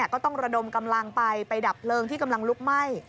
ก็ต้องระดมกำลังไปไปดับเพลิงที่กำลังลุกไหม้